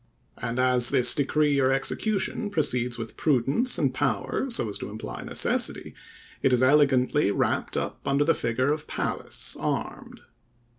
And as this decree or execution proceeds with prudence and power, so as to imply necessity, it is elegantly wrapped up under the figure of Pallas armed.